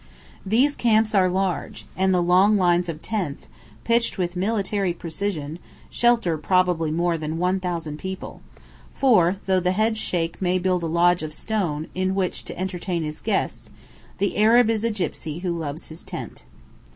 These camps are large, and the long lines of tents, pitched with military precision, shelter probably more than 1,000 people, for though the head sheykh may build a lodge of stone in which to entertain his guests, the Arab is a gipsy who loves his tent.